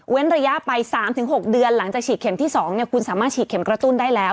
ระยะไป๓๖เดือนหลังจากฉีดเข็มที่๒คุณสามารถฉีดเข็มกระตุ้นได้แล้ว